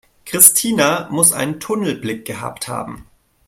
Christina muss einen Tunnelblick gehabt haben.